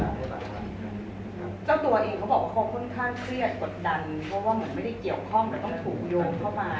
ดันเพราะว่าเหมือนไม่ได้เกี่ยวข้องแต่ต้องถูกโยงเข้ามา